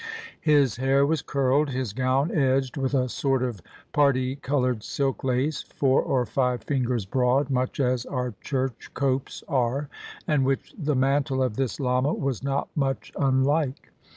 His hair was curled, his gown edged with a sort of parti colored silk lace, four or five fingers broad, much as our 169 CHINA church copes are, and which the mantle of this lama was not much unlike.